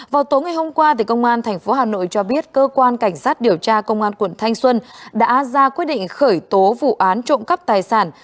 vào tối ngày hôm qua công an tp hà nội cho biết cơ quan cảnh sát điều tra công an quận thanh xuân đã ra quyết định khởi tố vụ án trộm cắp tài sản